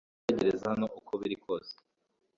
Ndashobora gutegereza hano uko biri kose